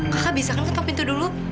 kakak bisa kan ketok pintu dulu